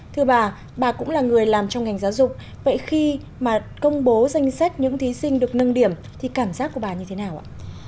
thưa bà bà cũng là người làm trong ngành giáo dục vậy khi mà công bố danh sách những thí sinh được nâng điểm thì cảm giác của bà như thế nào ạ